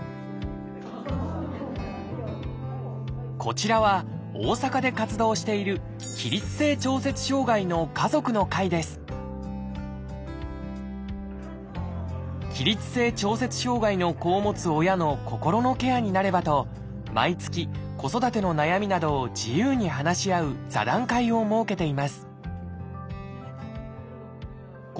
こちらは大阪で活動している起立性調節障害の子を持つ親の心のケアになればと毎月子育ての悩みなどを自由に話し合う座談会を設けています。